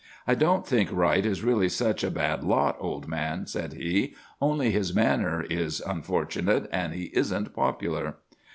"'I don't think Wright is really such a bad lot, old man,' said he; 'only his manner is unfortunate, and he isn't popular.